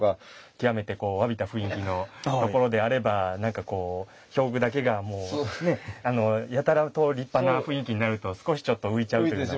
極めて侘びた雰囲気の所であれば何かこう表具だけがやたらと立派な雰囲気になると少しちょっと浮いちゃうというね。